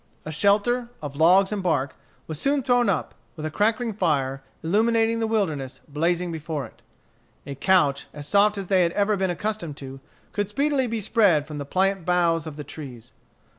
A shelter, of logs and bark, was soon thrown up, with a crackling fire, illuminating the wilderness, blazing before it. A couch, as soft as they had ever been accustomed to, could speedily be spread from the pliant boughs of trees.